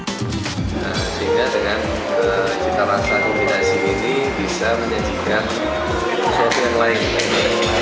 sehingga dengan cita rasa kombinasi ini bisa menyajikan sesuatu yang lain